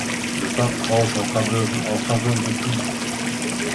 Le pape tranche en faveur de Tours.